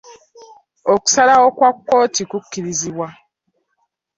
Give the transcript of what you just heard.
Okusalawo kwa kkooti ku kirizibwa.